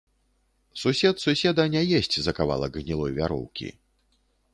Сусед суседа не есць за кавалак гнілой вяроўкі.